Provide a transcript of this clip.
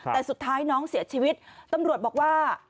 แต่สุดท้ายน้องเสียชีวิตตำรวจบอกว่า